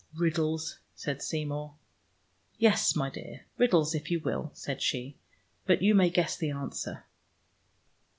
"Riddles," said Seymour. "Yes, my dear, riddles if you will," said she. "But you may guess the answer."